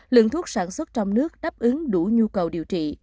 lượng thuốc sản xuất trong nước đáp ứng đủ nhu cầu điều trị